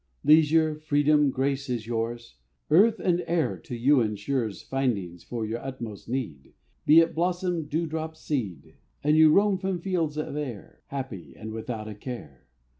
Leisure, freedom, grace, is yours; Earth and air to you ensures Findings for your utmost need, Be it blossom, dewdrop, seed; And you roam the fields of air, Happy, and without a care.